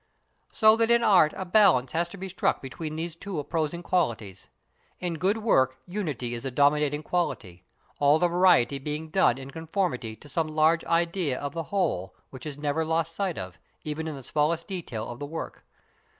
So that in art a balance has to be struck between these two opposing qualities. In good work unity is the dominating quality, all the variety being done in conformity to some large idea of the whole, which is never lost sight of, even in the smallest detail of the work.